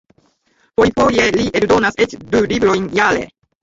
Fojfoje li eldonas eĉ du librojn jare.